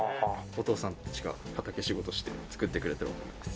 お父さんたちが畑仕事して作ってくれてるお米です。